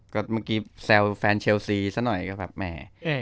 ก็เมื่อกี้แซวแฟนเชลซีซะหน่อยก็แบบแหม